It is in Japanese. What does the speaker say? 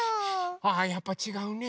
ああやっぱちがうね。